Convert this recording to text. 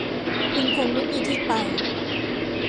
คุณคงไม่มีที่ไป